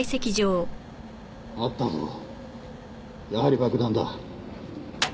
あったぞやはり爆弾だ。